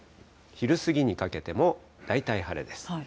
昼過ぎにかけても、大体晴れです。